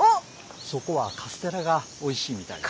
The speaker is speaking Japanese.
そこはカステラがおいしいみたいで。